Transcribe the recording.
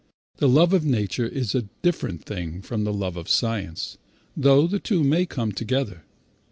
The love of nature is a different thing from the love of science, though the two may go together.